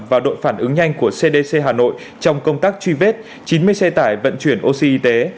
và đội phản ứng nhanh của cdc hà nội trong công tác truy vết chín mươi xe tải vận chuyển oxy